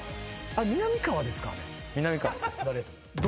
みなみかわです。